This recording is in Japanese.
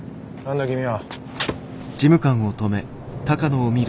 何だ君は？